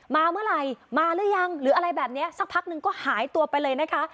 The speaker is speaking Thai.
มาเมื่อไหร่มาหรือยังหรืออะไรแบบนี้สักพักนึงก็หายตัวไปเลยนะคะ